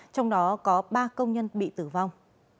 trong đó có ba công nhân bị tử vong